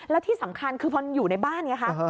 แล้วที่สำคัญคือพออยู่ในบ้านไงคะ